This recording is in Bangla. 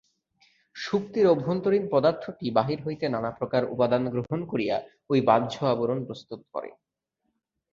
শুক্তির অভ্যন্তরীণ পদার্থটি বাহির হইতে নানাপ্রকার উপাদান গ্রহণ করিয়া ঐ বাহ্য আবরণ প্রস্তুত করে।